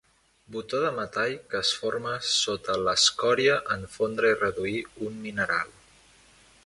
Botó de metall que es forma sota l'escòria en fondre i reduir un mineral.